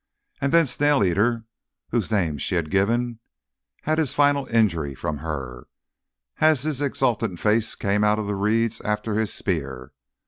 And then the Snail eater, whose name she had given, had his final injury from her, as his exultant face came out of the reeds after his spear.